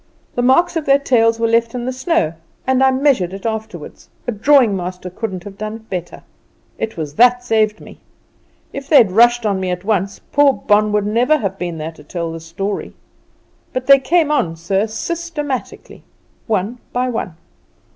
The marks of their tails were left in the snow, and I measured it afterward; a drawing master couldn't have done it better. It was that saved me. If they'd rushed on me at once, poor old Bon would never have been here to tell this story. But they came on, sir, systematically, one by one.